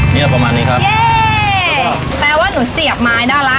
เนี้ยประมาณนี้ครับเย้แปลว่าหนูเสียบไม้ได้แล้วจ้ะ